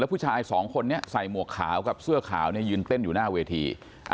ผู้ชายสองคนนี้ใส่หมวกขาวกับเสื้อขาวเนี่ยยืนเต้นอยู่หน้าเวที